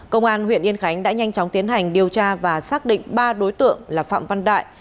công an huyện yên khánh đã nhanh chóng tiến hành điều tra và xác định ba đối tượng là phạm văn đại